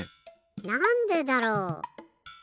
なんでだろう？